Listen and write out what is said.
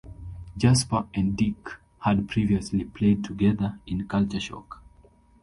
Jasper and Dick had previously played together in Culture Shock.